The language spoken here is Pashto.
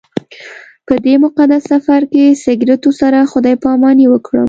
په دې مقدس سفر کې سګرټو سره خدای پاماني وکړم.